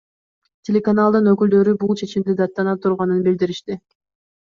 Телеканалдын өкүлдөрү бул чечимди даттана турганын билдиришти.